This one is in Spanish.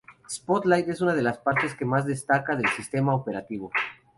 Spotlight es una de las partes que más destaca del sistema operativo.